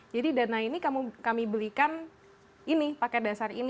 jadi dana ini kami belikan ini paket dasar ini